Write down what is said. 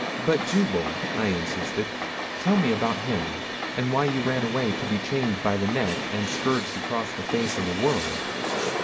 "But Jubal," I insisted. "Tell me about him, and why you ran away to be chained by the neck and scourged across the face of a world."